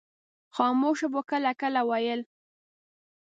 خاموش به کله کله ویل.